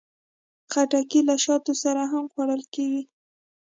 خټکی له شاتو سره هم خوړل کېږي.